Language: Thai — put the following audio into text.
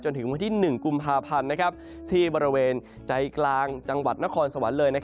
ถึงวันที่๑กุมภาพันธ์ที่บริเวณใจกลางจังหวัดนครสวรรค์เลย